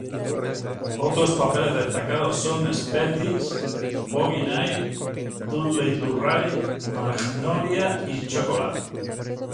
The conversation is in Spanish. Otros papeles destacados son "Species", "Boogie Nights", "Dudley Do-Right", "Magnolia", y "Chocolat".